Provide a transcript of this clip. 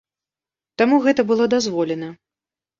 Таму гэта было дазволена.